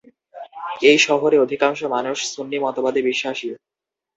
এই শহরে অধিকাংশ মানুষ সুন্নি মতবাদে বিশ্বাসী।